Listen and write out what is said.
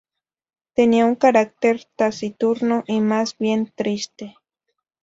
Tenía un carácter taciturno y más bien triste.